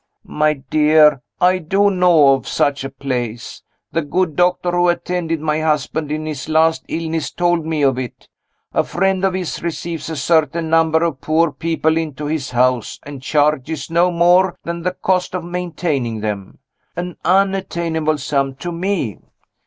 "My dear, I do know of such a place! The good doctor who attended my husband in his last illness told me of it. A friend of his receives a certain number of poor people into his house, and charges no more than the cost of maintaining them. An unattainable sum to _me!